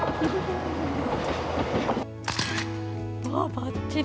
ばっちり。